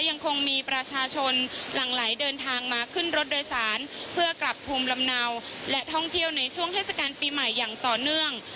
ยังคงมีประชาชนหลั่งไหลเดินทางมาขึ้นรถโดยสารเพื่อกลับภูมิลำเนาและท่องเที่ยวในช่วงเทศกาลปีใหม่อย่างต่อเนื่อง